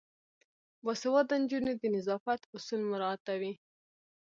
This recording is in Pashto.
باسواده نجونې د نظافت اصول مراعاتوي.